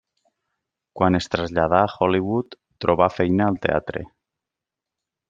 Quan es traslladà a Hollywood, trobà feina al teatre.